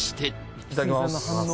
いただきます